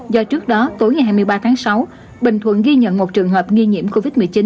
do trước đó tối ngày hai mươi ba tháng sáu bình thuận ghi nhận một trường hợp nghi nhiễm covid một mươi chín